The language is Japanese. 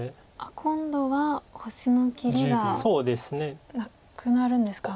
今度は星の切りがなくなるんですか。